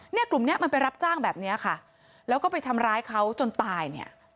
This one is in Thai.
เนี่ยกลุ่มเนี้ยมันไปรับจ้างแบบเนี้ยค่ะแล้วก็ไปทำร้ายเขาจนตายเนี่ย